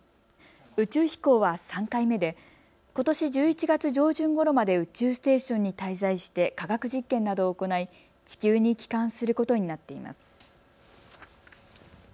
宇宙飛行は３回目でことし１１月上旬ごろまで宇宙ステーションに滞在して科学実験などを行い地球に帰還することになっています。